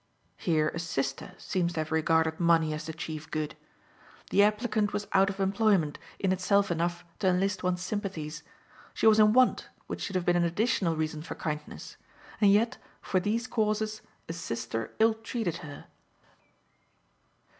Here a sister seems to have regarded money as the chief good. The applicant was out of employment, in itself enough to enlist one's sympathies; she was in want, which should have been an additional reason for kindness; and yet, for these causes, a sister ill treated her.